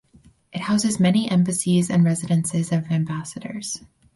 It houses many embassies and residences of ambassadors.